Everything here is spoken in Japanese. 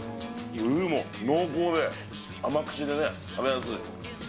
ルーも濃厚で、甘口でね、食べやすい。